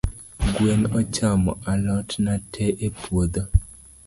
Gwen ochamo alotna tee epuodho.